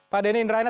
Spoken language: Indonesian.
pak denny indraina